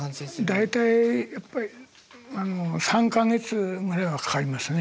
大体やっぱり３か月ぐらいはかかりますね。